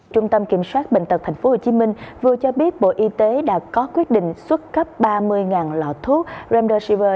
trung tâm kiểm soát bệnh tật tp hcm vừa cho biết bộ y tế đã có quyết định xuất cấp ba mươi lọ thuốc remdershiver